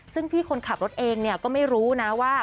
ซึ่งพี่คนขับรถเองเนี่ยก็ไม่รู้นะว่า